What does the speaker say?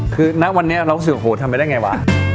คือณวันเนี้ยเราก็คิดว่าโหทำไงได้ไงวะ